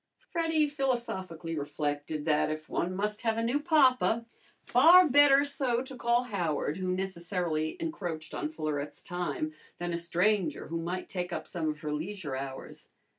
Freddy philosophically reflected that if one must have a new papa, far better so to call Howard, who necessarily encroached on Florette's time, than a stranger who might take up some of her leisure hours.